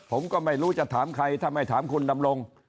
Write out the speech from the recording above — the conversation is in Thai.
ผมก็ไม่รู้จะถามใครถ้าไม่ถามคุณดำรง